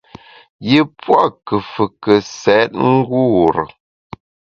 Yi pua’ nkùfùke sèt ngure.